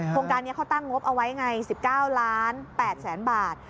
โครงการนี้เขาตั้งงบเอาไว้ไง๑๙๘๐๐๐๐๐บาท